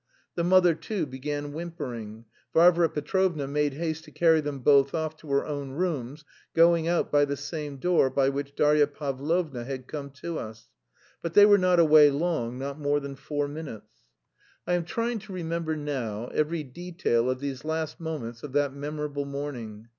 The mother too began whimpering. Varvara Petrovna made haste to carry them both off to her own rooms, going out by the same door by which Darya Pavlovna had come to us. But they were not away long, not more than four minutes. I am trying to remember now every detail of these last moments of that memorable morning.